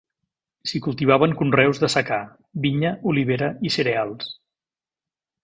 S’hi cultivaven conreus de secà: vinya, olivera i cereals.